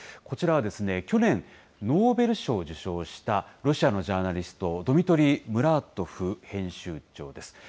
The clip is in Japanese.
こちらは去年、ノーベル賞を受賞したロシアのジャーナリスト、ドミトリー・ムラートフ編集長です。